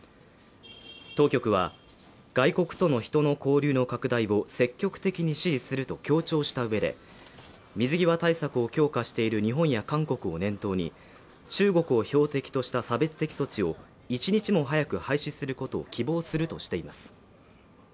当局は外国との人の交流の拡大を積極的に支持すると強調したうえで水際対策を強化している日本や韓国を念頭に中国を標的とした差別的措置を１日も早く廃止することを希望するとしています